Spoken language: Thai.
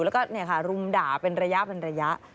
แล้วก็รุมด่าเป็นระยะ